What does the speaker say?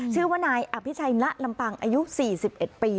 ชื่อว่านายอภิชัยละลำปังอายุ๔๑ปี